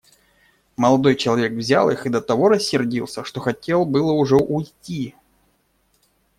Молодой человек взял их и до того рассердился, что хотел было уже уйти.